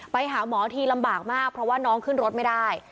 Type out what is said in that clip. ไปหาหมอทีลำบากมากเพราะว่าน้องขึ้นรถไม่ได้